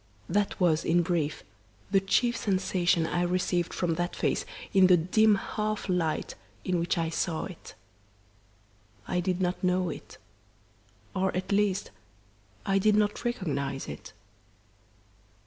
That was, in brief, the chief sensation I received from that face in the dim half light in which I saw it. I did not know it or, at least, I did not recognise it.